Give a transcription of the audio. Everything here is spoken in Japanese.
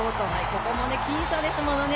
ここも僅差ですものね。